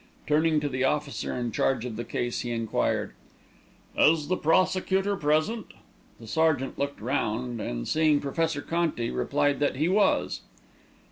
Turning to the officer in charge of the case, he enquired: "Is the prosecutor present?" The sergeant looked round, and, seeing Professor Conti, replied that he was.